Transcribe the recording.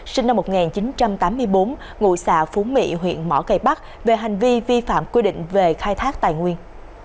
sinh năm một nghìn chín trăm tám mươi bốn ngụ xạ phú mỹ huyện mỏ cây bắc về hành vi vi phạm quy định về khai thác tài nguyên